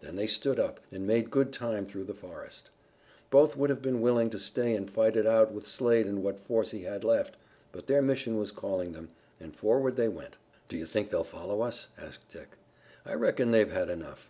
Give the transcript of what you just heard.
Then they stood up, and made good time through the forest. Both would have been willing to stay and fight it out with Slade and what force he had left, but their mission was calling them, and forward they went. "Do you think they'll follow us?" asked Dick. "I reckon they've had enough.